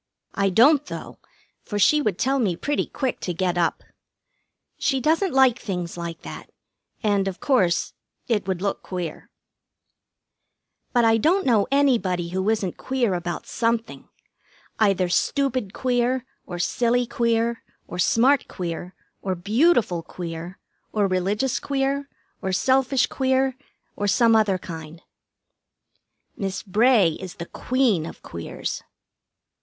I don't, though, for she would tell me pretty quick to get up. She doesn't like things like that, and, of course, it would look queer. But I don't know anybody who isn't queer about something. Either stupid queer, or silly queer, or smart queer, or beautiful queer, or religious queer, or selfish queer, or some other kind. Miss Bray is the Queen of Queers.